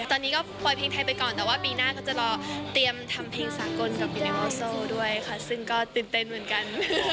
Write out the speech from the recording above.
ตอนนี้ก็ปล่อยเพลงไทยไปก่อนแต่ว่าปีหน้าก็จะรอเตรียมทำเพลงสากลกับพี่เลคอโซด้วยค่ะซึ่งก็ตื่นเต้นเหมือนกัน